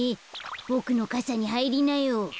ボクのかさにはいりなよ。